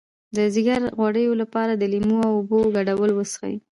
د ځیګر د غوړ لپاره د لیمو او اوبو ګډول وڅښئ